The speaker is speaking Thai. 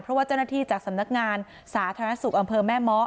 เพราะว่าเจ้าหน้าที่จากสำนักงานสาธารณสุขอำเภอแม่เมาะ